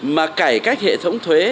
mà cải cách hệ thống thuế